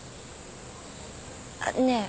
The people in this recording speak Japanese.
あっねえ